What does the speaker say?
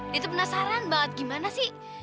dia tuh penasaran banget gimana sih